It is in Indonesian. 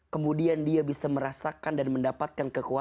kemudian dia bisa merasakan dan mendapatkan kekuasaan